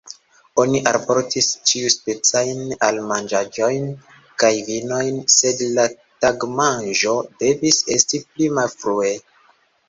Oni alportis ĉiuspecajn almanĝaĵojn kaj vinojn, sed la tagmanĝo devis esti pli malfrue.